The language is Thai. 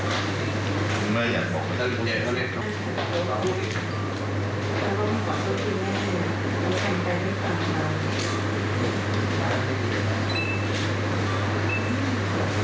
ไปหาผู้เสียขาดมาตั้งแต่วันไว้ที่ศาสตร์ค่ะ